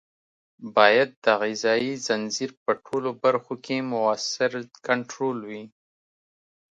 باید د غذایي ځنځیر په ټولو برخو کې مؤثر کنټرول وي.